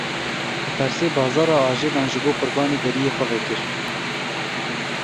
Li Qersê bazara ajelan ji bo qurbanê deriyê xwe vekir.